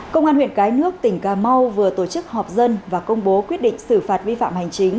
công an huyện cái nước tỉnh cà mau vừa tổ chức họp dân và công bố quyết định xử phạt vi phạm hành chính